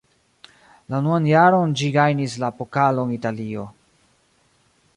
La unuan jaron ĝi gajnis la Pokalon Italio.